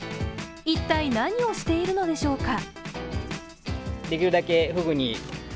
一体何をしているのでしょうか。